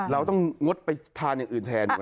เราต้องงดไปทานอย่างอื่นแทน